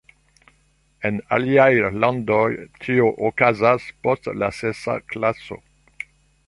En aliaj landoj tio okazas post la sesa klaso.